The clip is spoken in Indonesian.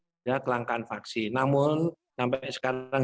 namun sampai sekarang juga tidak ada kemampuan untuk mengambil vaksin meningitis